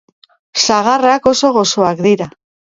Sagarrak oso goxoak dira